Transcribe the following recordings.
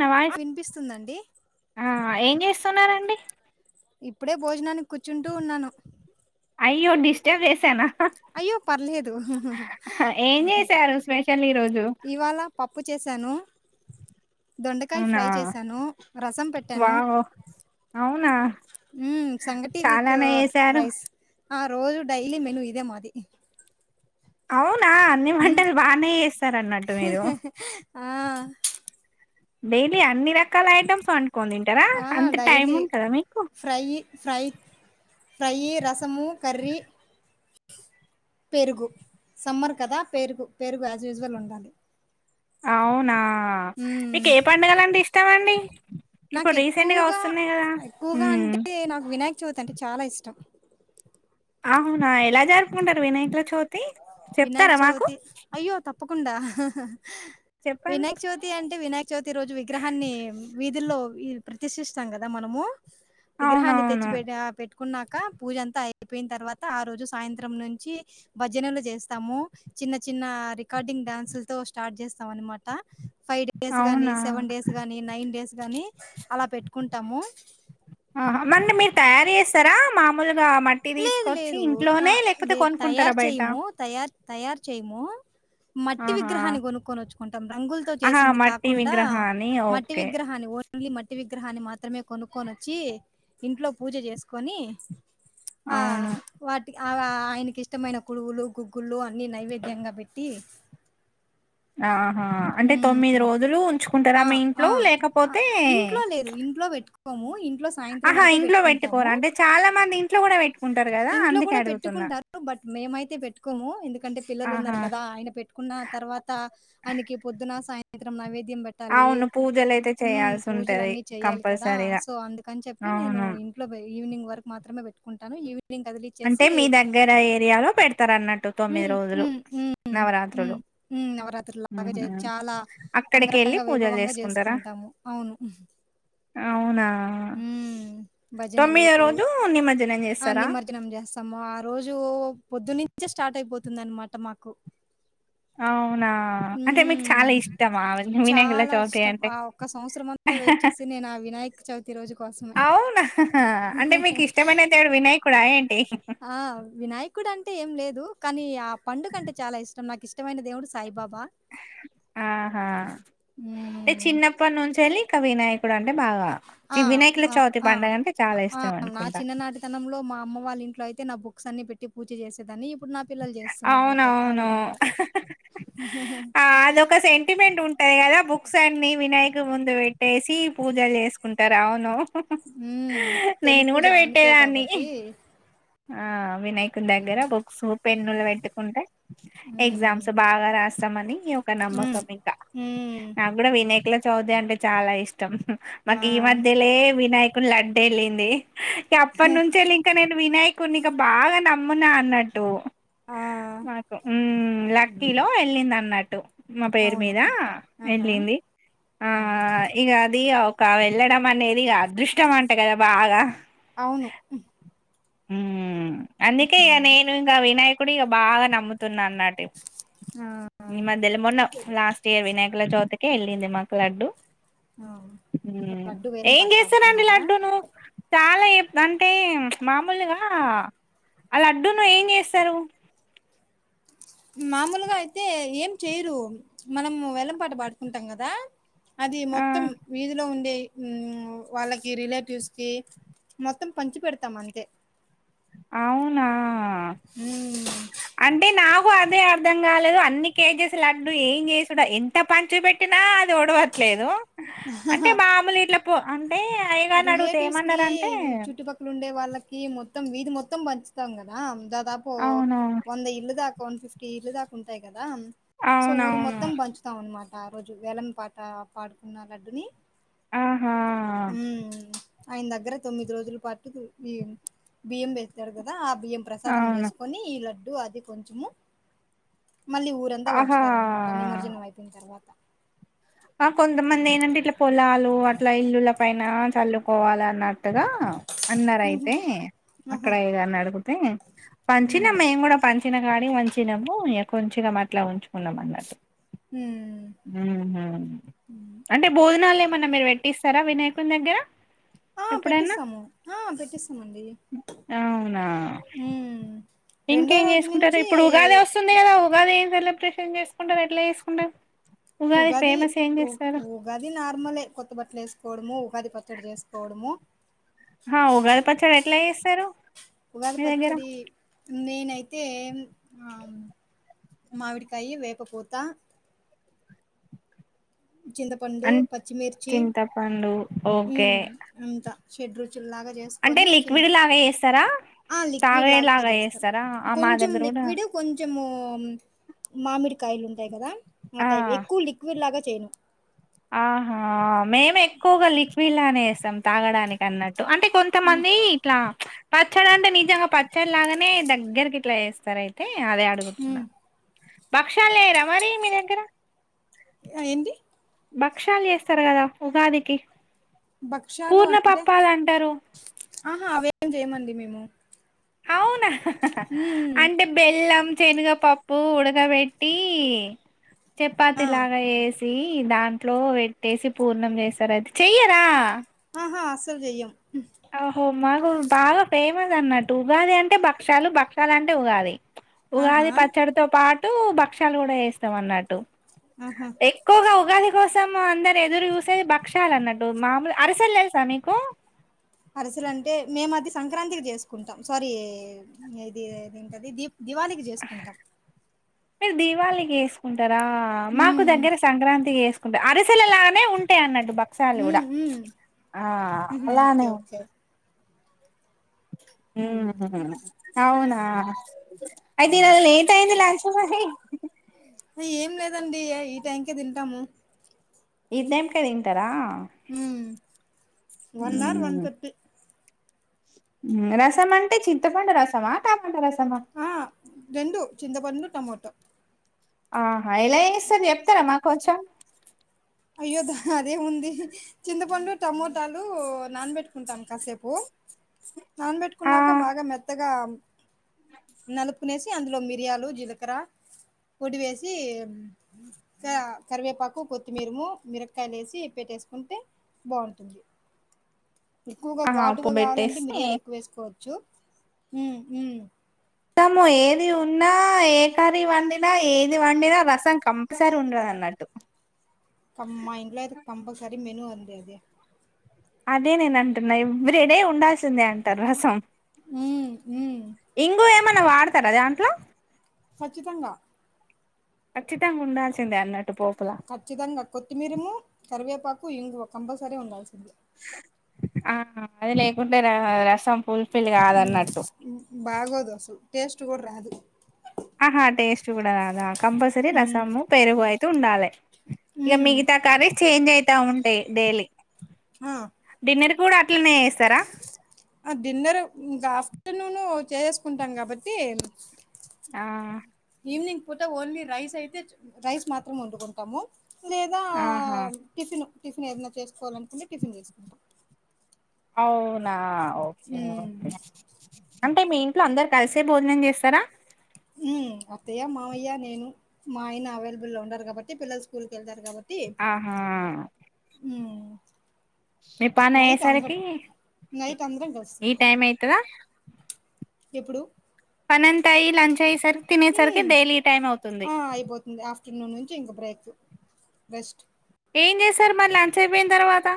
నా ఆ వాయిస్ వినిపిస్తుందండి ఆ ఏం చేస్తున్నారండి ఇప్పుడే భోజనానికి కూర్చుంటూ ఉన్నాను జ వేసానా అయ్యో పర్లేదు ఏం చేశారు స్పెషల్ ఈరోజు ఇవాళ పప్పు చేశాను దొండకాయ అవునా ఫ్రై చేశాను రసం పెట్టాను వావ్ అవునా హ్మ్ సంగటి విత్ చాలానే చేసారు రైస్ ఆ రోజు డైలీ మెను ఇదే మాది అవును నా అన్ని మ్మ్ వంటలు బానే చేస్తారు అన్నట్టు మీరు ఆ డైలీ అన్ని రకాల ఐటమ్స్ వండుకోని తింటారా ఆ అంత టైమ్ డైలీ ఉంటదా మీకు ఫ్రై ఫ్రై ఫ్రై రసము కర్రీ పెరుగు సమ్మర్ కదా పెరుగు పెరుగు యాజ్ యూజువల్ ఉండాలి అవునా మీకు మ్మ్ ఏ పండుగలంటే ఇష్టమండి నాకు ఎక్కువగా ఎక్కువగా ఉమ్ అంటే నాకు వినాయక్ చవితి అంటే చాలా ఇష్టం అవునా ఎలా జరుపుకుంటారు వినాయకుల చవితి చెప్తారా వినాయక్ మాకు చవితి అయ్యో తప్పకుండా చెప్పండి వినాయక్ చవితి అంటే వినాయక్ చవితి రోజు విగ్రహాన్ని వీధుల్లో ప్రతిసిస్తాం కదా మనము విగ్రహాన్ని తెచ్చి అవునవును పెట పెట్ కున్నాక పూజ అంతా అయిపోయిన తర్వాత ఆ రోజు సాయంత్రం నుంచి భజనలు చేస్ తము చిన్న చిన్న రికార్డింగ్ డ్యాన్సులతో స్టార్ట్ చేస్తాం అన్నమాట ఫైవ్ డేస్ గాని అవునా సెవెన్ డేస్ గాని నైన్ డేస్ గాని అలా పెట్టుకుంటాము ఆ మన్ను మీరు తయారు చేస్తారా మామూలుగా మ ట్టి లేదు తీసుకొచ్చి లేదు. ఆ! ఇంట్లోనే లేకపోతే లేదు కొనుకుంటారా తయారు బయట చేయము. తయారు తయారు చేయమూ మట్టి ఆహా! విగ్రహాన్ని కొనుక్కొని వచ్చుకుంటాం రంగుల్తో ఆహా! చేసింది మట్టి కాకుండా విగ్రహాన్ని మట్టి ఓకే. విగ్రహాన్ని ఓన్లీ మట్టి విగ్ గ్రహాన్ని మాత్రమే కొనుక్కొని వచ్చి ఇంట్లో పూజ చేసుకొని అవును అవ ఆయనకి ఇష్టమైన కుడువులు గుగ్గులు అన్నీ నైవేద్యంగా పెట్టి ఆహా అంటే హ్మ్. తొమ్మిది రోజులు ఉంచుకుంటారా ఆ! మీ ఆ! ఇంట్లో లేకపోతే కోము ఇం ఆహా ఇంట్లో పెట్టుకోరాంటే చాలా మంది ఇంట్లో కూడా పెట్టుకుంటారు గ ఇంట్లో కూడా పెట్టుకుంటారు బట్ మేమైతే పెట్టుకోము ఎందుకంటే పిల్లలు ఆహా! ఉన్నారు కదా ఆయన పెట్టుకున్న తర్వాత ఆయనకి పొద్దున సాయంత్రం నైవేద్యం పెట్టాలి అవును. పూజలైతే హ్మ్ పూజలు చేయాల్సుంటది అన్నీ చెయ్యాలి కదా కంపల్సరీగా. సో అందుకని చెప్పి నేను అవును. ఇంట్లో ఈవినింగ్ వరకు మాత్రమే పెట్టు ఉంటాను ఈవె నింగ్ అంటే కదిలిచ్చేసి మీ దగ్గర ఏరియాలో పెడతారన్నట్టు మ్ రోజులు మ్ నవరాత్రులు. మ్ నవరాత్రు లాగా ఊహూ చే చాలా అక్కడికి వెళ్ళి అంగరంగ పూజలు వైభవంగా చేసుకుంటారా చేస్కుంటాము అవును అవునా మ్ భజనలు తొమ్మిదో రోజు నిమజ్జనం ఆ చేస్తారా నిమర్జనం చేస్ తం రోజు పొద్దునుంచే స్టార్ట్ అయిపోతుందన్మాట మాకు అవు అవునా అంటే మీకు హ్మ్. చాలా ఇష్టమా వినయకుల చాలా చవితి అంటే నేన్ ఆ వినాయక్ అవునా అంటే మీక్ ఇష్టమైన దేవుడు వినాయకుడా ఏంటి ఆ వినాయకుడు అంటే ఏం లేదు కానీ ఆ పండుగంటే చాలా ఇష్టం నాక్ ఇష్టమైన దేవుడు సాయిబాబా ఆహా హ్మ్. చిన్నప్పట్ నుంచెల్లి కవినాయకుడు అంటే చాలా ఇష్టం నా అనుకుంటా చిన్ననాటితనంలో మా అమ్మ వాళ్ళ ఇంట్లో అయితే అయితే నా బుక్స్ అన్ని పెట్టి పూజ చేసేదాన్ని ఇప్పుడు నా పిల్లల్ చేస్తున్నార్ ఆ టై ఆ అవునవును విధంగా ఆ అదొక సెంటిమెంట్ ఉంటది కదా బుక్స్ అన్ని వినాయక ముందు పెట్టేసి సి పూజల్ చేస్కుంటర్ అవును హ్మ్. తొలి నేన్ పూజ కూడా ఆయనకే పెట్టేదాన్ని కాబట్టి. ఆ వినాయకున్ హ్మ్. దగ్గర బుక్సు పెన్నులు పెట్టుకుంటే హ్మ్. ఎగ్జామ్స్ బాగా రాస్తాంమని ఒక హ్మ్ నమ్మకం ఇంకా హ్మ్ నాక్ గుడా వినాయకుల చవితి అంటే చాలా ఇష్ ష్టం ఆ మాక్ ఈ మధ్యలే వినాయకుని లడ్డేళ్ళింది. ఇగ అప్పట్నుంచెల్లె ఇంక నేను వినాయకుడ్ని ఇక బాగా నమ్మునా అన్నట్టు ఆ మ్ ఉంది లక్కీలో ఎళ్ళిందన్నట్టు మా పేరు అవును మీద ఆహా ఎళ్ళింది ఆ ఇగ అది వెళ్ళడం అనేది అదృష్టం అంట కదా బాగా అవును మ్ అందుకే ఇగ నేను ఇంక వినాయకుడు ఇగ బాగా నమ్ముతున్న అన్నట్ ఆ ఈ మధ్యల మొన్న లాస్ట్ ఇయర్ వినాయకుల చవితికే ఎళ్ళింది మాకు లడ్డు ఆ లడ్డు వేలం ఏం పాట చేస్తారండి పాడుకున్నారా లడ్డూను చాలా అంటే మామూలుగా ఆ లడ్డును ఏం చేస్తారు మామూలుగా అయితే ఏం చెయరు మనము వేలం పాట పాడుకుంటాం కదా అది ఆ మొత్తం వీధిలో ఉండే మ్ వాళ్ళకి రిలేటివ్స్కి మొత్తం పంచి పెడ్తాం అంతే అవునా హ్మ్. అంటే నా కు అదే అర్థం కాలేదు అన్ని కేజెస్ లడ్డు ఏం చేసుడ ఎంత పంచు పెట్టినా అది ఓడవట్లే లేదు అంటే మాముల్ ఇట్ల పో అయ్యగారిని అడిగితే రిలేటివ్స్కి ఏమన్నారంటే చుట్టుపక్కల ఉండే వాళ్ళకి మొ మొత్తం వీధి మొత్తం పంచుతాం కదా దాదాపు అవును వంద ఇల్లు దాకా ఒక వన్ ఫిఫ్టీ ఇల్లు దాకా ఉంటాయి కదా సో ఊర్ అవునవును మొత్తం పంచుతాం అన్నమా ట ఆ రోజు వేలం పాట పాడుకున్న లడ్డుని ఆహా హ్మ్ ఆయన దగ్గర తొమ్మిది రోజుల పాటు ఈ బియ్యం వేస్తారు కదా ఆ బియ్యం ప్రసాదం అవును చేస్కొని ఈ లడ్డు అది కొంచము మళ్ళీ ఊరంతా ఆహా పంచుతారన్మాట నిమజ్జనం అయిన తర్వా ఆ కొంతమంది ఏంటంటే ఇట్ల పొలాలు అట్లా ఇల్లుల పైన చల్లుకోవాలన్న నట్టుగా అన్నార్ ఉహు, అయితే అక్కడ ఆహా అయ్యగార్ నడుగుతే పంచినా ఉమ్, మేం గుడా పంచిన కాడికి పంచినము ఇగ కొంచిగమట్లా ఉంచుకున్నాం అన్నట్టు ఉమ్. మ్ హ్ అంటే బో భోజనాల్ ఏమన్నా మీర్ పెట్టిస్తరా వినాయకుని దగ్గర ఆహ్. ఎప్పుడైనా పెట్టిస్తాము ఆహ్ పెట్టిస్తామండి అవునా ఉమ్. ఇంకేం చేసుకుంటారు. ఇప్పుడు ఉగాది వస్తుంది కదా ఉగాది ఏం పర్లేం. క్లిం చేసుకుంటాం ఎట్లే చేసుకుంటాం. ఉగాది ఉ ఉగాది నార్మలే కొత్త మం పట్లు వేసుకోవడమో ఉగాది పచ్చడి చేసుకోవడమో. ఆహ్ ఉగాది పచ్చడి ఎట్లా చేస్తారు. ఉగాది మీ దగ్గర పచ్చడి నేనయితే అయితే ఆమ్. మామిడికాయ్ వేపపూత చింతపండు, అం పచ్చిమిర్చి చింతపండు ఓకే ఉమ్ అంతా. షెడ్ రుచుల్లాగా అంటే లిక్విడ్ లాగా చేస్తారా. ఆహ్ లిక్విడ్ లాగే తాగేలాగా చేస్తాము. చేస్తారా ఆ మా కొంచెం దగ్గర కూడా లిక్విడ్ కొంచము ఉమ్ మామిడికాయలు ఉంటాయి కదా ఆ టైప్ ఎక్కువ లిక్విడ్ లాగా చేయను. ఆహా మేము ఎక్కువగా లిక్విడ్ లానే చేస్తాం తాగడానికి అన్నట్టు. అంటే హ్మ్ కొంతమంది ఇట్లా. పచ్చడి అంటే నిజంగా పచ్చడి లాగానే దగ్గరకి ఇట్లా చేస్తారు అయితే. హ్మ్ భక్షాలు చేయార మరి మీ దగ్గర. ఆహ్ ఏంటి. భక్ష్యాలు చేస్తారు కదా ఉగాదికి. భక్ష్యాలు పూర్ణ అంటే పప్పాలు అంటారు ఆహా అవేం చేయమండి మేము. అవునా ఉమ్ అంటే బెల్లం. శనుగపప్పు ఉడకబెట్టి ఆ చపాతి లాగా చేసి. దాంట్లో పెట్టేసి పూర్ణం చేస్తారు అది చెయ్యరా. ఆహా అసలు చేయం. అహో మాకు బాగా ఫేమస్ అన్నట్టు ఉగాది అంటే భక్షాలు. భక్షాల అంటే ఉగాది. ఆహా ఉగాది పచ్చడితో పాటు భక్ష్యాలు కూడా చేస్తాం అన్నట్టు. ఆహా ఎక్కువగా ఉ. ఉగాది కోసం అందరు ఎదురు చూసేది భక్షాలు అన్నట్టు మామూలు అరిసెలు తెలుసా మీకు. అరిసలు అంటే మేం మాది సంక్రాంతికి చేసుకుంటాం సారీ ఇది ఎది అది ఏంటది దీప్. దివాళికి చేసుకుంటాం‌. మీరు దీపాళికి చేసుకుంటారా. మాకు ఉమ్ దగ్గర సంక్రాంతికి చేసుకు అరిసెలులానే ఉంటాయి అన్నట్టు. బక్షాలు కూడా ఉమ్ ఉమ్ ఆహ్ ఉహు అలానే ఓకే ఓకే ఉంటాయి. ఉమ్ అవునా. అయితే ఈ రోజు లేట్ అయింది లంచ్ కూడా. ఏం లేదండి ఈ టైంకే తింటాము. ఈ టైం కే తింటారా. Um one or one thirty. రసం అంటే చింతపండు రసమా కా ఆహ్ రెండు చింతపండు టమాట. ఆహా ఎలా చేస్తారో చెప్తారా మాకు కొంచం. అయ్యోదా అదే ముంది. చింతపండు టమోటాలు నానబెట్టుకుంటాం కాసేపు. ఆ నానబెట్టుకున్నాక బాగా మెత్తగా. నలుపుకోనేసి అందులో మిరియాలు జీలకర్ర. పొడి వేసి క కరివేపాకు కొత్. మీరుమో మిరకాయలు వేసి పెట్టేసుకుంటే బాగుంటుంది. ఎక్కువగా ఆహా ఉప్పు ఘాటుగా కావాలంటే పెట్టేసి మిరియాలు ఎక్కువ వేసుకోవచ్చు ఉమ్ ఉమ్. రసము ఏది ఉన్నా ఏ కర్రీ వండినా ఏది వండినా రసం కంపల్సరీ ఉండాలి. అన్నట్టు. కమ్ మా ఇంగ్ కంపల్సరి మెను వంది అద అదే నేను అంటున్నా ఎవరుెడే ఉండాల్సిందే అంటారు రసం ఉమ్ ఉమ్ ఇంగ ఏమన్నా వాడతారా దాంట్లో ఖచ్చితంగా కచ్చిత అంగా ఉండా చెింద అన్నట్టు పోపులా ఖచ్చితంగా కొత్తిమీరము కరివేపాకు ఇం కంపల్సరీ ఉండాల్సిందే ఆ అదిలేకుంట రసం ఫుల్ఫిల్ కాదన్నట్టు బాగోదు అసలు టేస్ట్ కూడా రాదు ఆహా టేస్ట్ కూడా రాదా కంపల్సరీ ఉమ్ రసము పెరుగు అయితే ఉండాలి ఇక ఉమ్ మిగతా కర్రీస్ చేంజ్ అయి. ా ఉంటాయి డైలీ ఆ ఇప్పుడు అట్లనే వస్తారా ఆ డిన్నర్ ఇంకా ఆఫ్టర్నూను చేసేసుకుంటాం కాబట్టి ఆ ఈవినింగ్ పూతే ఓన్లీ రైస్ అయితే రైస్ మాత్రం వండుకుంటాము లేదా ఆహా టిఫిన్ టిఫిన్ ఏదైన్నా చేసుకోవాలినుకుంటే టిఫిన్ తీసుకుంటాం అవునా అ ఓకే ఓకే అంటే మీ ఇంట్లో అందరు కలిసే భోజనం చేస్తారా అత్తయ్య మామయ్య నేను మా ఆయన అవైలబుల్ లో ఉండారు కాబట్టి పిల్లలు స్కూల్కి వెళ్తారు కాబట్టి ఆహా ఉమ్ మీ పానా నైట్ అందరం అయ్యేసరికి నైట్ అందరం ఈ కలుస్తుంటాం టైం అవుతుందా ఎప్పుడు పనంత అయి లంచ్ అయ్యేసరికి తినేసరికి హ్మ్, డైలీ టైం అవుతుంది చటిన్నూ నుంచి ఇంక బ్రేక్ బెస్ట్ ఏం చేసారు మరి లంచ్ అయిపోయిన తర్వాత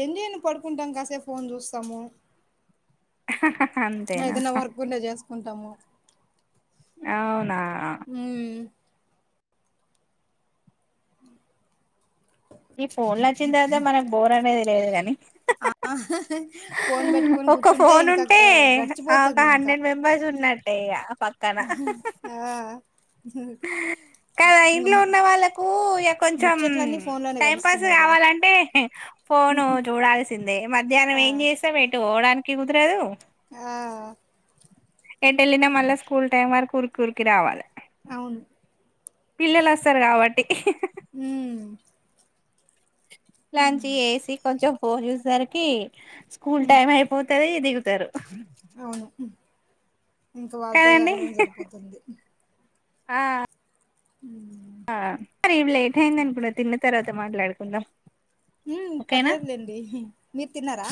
ఏం చేయను పడుకుంటాం కాసే ఫోన్ చూస్తాము అంతేనా ఏదైనా వర్క్ంటే చేసుకుంటాము అవునా అ ఈ ఫోన్లు వచ్చిన తర్వాత మనకు బోర్ అనేది లేదు కాని ఆ ఫోన్ పెట్టుకొని ఒక కూర్చుంటే ఫోన్ ఇంకా ఉంటే గ ఒక గడిచిపోతుంది ఇంకా హండ్రెడ్ మెంబర్స్ ఉన్నాడు అంటేగా ఆ కాదా ఇంగ ఇంట్లో ఉన్న వాళ్ళలకు ఇ కొంచం ముచ్చట్లన్నీ ఫోన్ లోనే టైం పాస్ గడుస్తున్నాయి కదా కావాలంటే ఫోను చూడాల్సిందే మధ్యాహ్నం ఆ ఏం చేస్తా పెటు పోవడానికి క కుగుతురాదు ఆ ఎట్ వెళ్ళినా మళ్ళీ స్కూల్ టైమ్ వరకు ఉరికి ఉరికి రావాలి అవును పిల్లలు వస్తారు కాబట్టి హ లలాంచ్ ఏసి కొంచెం ఫోర్ యూస్సరికి స్కూల్ టైమ్ అయిపోతుంది దిగుతారు ఇంకా వాళ్ళతో కదండి ఎగడం సరిపోతుంది ఆ మరి ఇ లేట్ అయిందం ఇప్పుడువు తిన్న తర్వాత మాట్లాడుకు ఉన్నా ఉ పర్లేదులేండి మీరు తిన్నారా